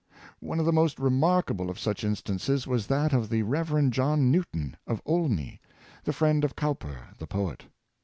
One of the most remarkable of such instances was that of the Reverend John Newton, of Olney, the friend of Cowper, the poet.